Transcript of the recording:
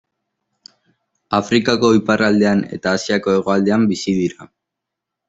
Afrikako iparraldean eta Asiako hegoaldean bizi dira.